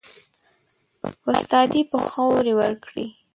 استادي به خاوري وکړې